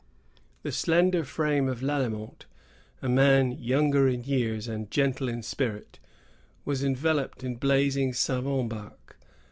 The slender frame of Lallemant, a man younger in years and gentle in spirit, was enveloped in blazing savin bark.